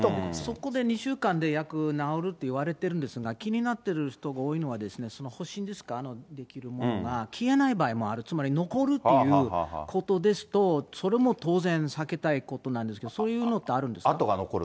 そこで２週間で治るっていわれてるんですけど、気になってる人が多いのは、発疹ですか、出来るものが、消えない場合もある、つまり残るということですと、それも当然避けたいことなんですけど、そういうのってあるんですか？